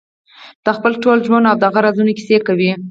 د خپل ټول ژوند او د هغه رازونو کیسې کوي.